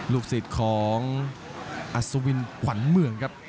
ลูกศิษย์ของอัศวินขวัญเมืองครับ